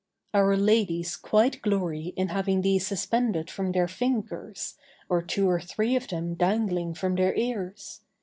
Our ladies quite glory in having these suspended from their fingers, or two or three of them dangling from their ears.